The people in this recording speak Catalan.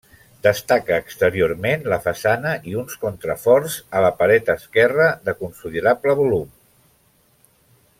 Destaca exteriorment la façana i uns contraforts, a la paret esquerra, de considerable volum.